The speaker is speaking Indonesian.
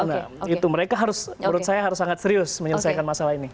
nah itu mereka harus menurut saya harus sangat serius menyelesaikan masalah ini